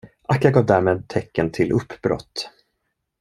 Akka gav därmed tecken till uppbrott.